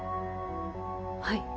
はい